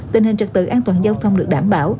tình hình trật tự an toàn giao thông được đảm bảo